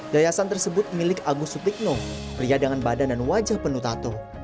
yayasan tersebut milik agus sutikno pria dengan badan dan wajah penuh tato